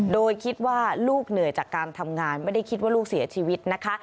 โดยคิดว่าลูกเหนื่อยจากการทำงานไม่ได้คิดว่าลูกเสียชีวิตนะคะ